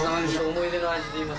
思い出の味といいますか。